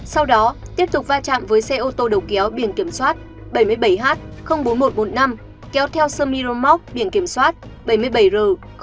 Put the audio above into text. sau đó tiếp tục va trạm với xe ô tô đầu kéo biển kiểm soát bảy mươi bảy h bốn nghìn một trăm bốn mươi năm kéo theo sân miramont biển kiểm soát bảy mươi bảy r bốn nghìn sáu trăm linh tám